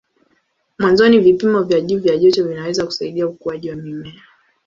Mwanzoni vipimo vya juu vya joto vinaweza kusaidia ukuaji wa mimea.